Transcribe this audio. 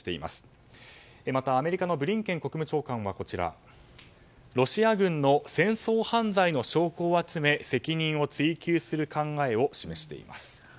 また、アメリカのブリンケン国務長官はロシア軍の戦争犯罪の証拠を集め責任を追及する考えを示しています。